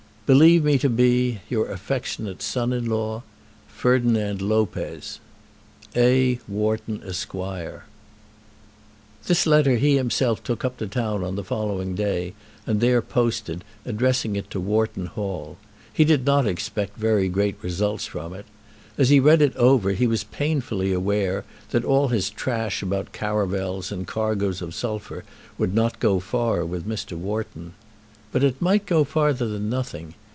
Believe me to be, Your affectionate son in law, FERDINAND LOPEZ. A. Wharton, Esq. This letter he himself took up to town on the following day, and there posted, addressing it to Wharton Hall. He did not expect very great results from it. As he read it over, he was painfully aware that all his trash about caravels and cargoes of sulphur would not go far with Mr. Wharton. But it might go farther than nothing.